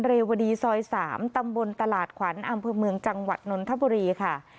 เรวดีซอย๓ตำบลตลาดขวัญอำเภอเมืองจังหวัดนนทบุรีค่ะ